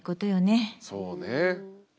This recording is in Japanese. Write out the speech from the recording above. そうね。